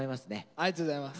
ありがとうございます。